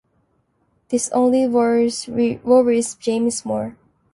This only worries James more.